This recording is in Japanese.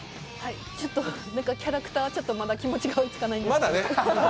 ちょっとキャラクターが気持ちが追いつかないんですけど。